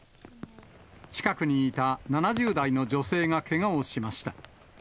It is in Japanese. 近くにいた７０代の女性がけがをしました。